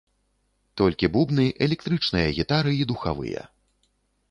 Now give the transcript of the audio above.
Толькі бубны, электрычныя гітары і духавыя.